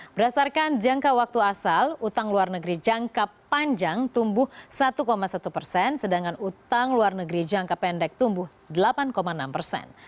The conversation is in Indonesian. berdasarkan jangka waktu asal utang luar negeri jangka panjang tumbuh satu satu persen sedangkan utang luar negeri jangka pendek tumbuh delapan enam persen